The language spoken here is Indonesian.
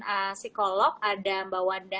psikolog ada mba wanda